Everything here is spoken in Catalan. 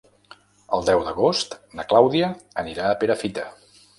El deu d'agost na Clàudia anirà a Perafita.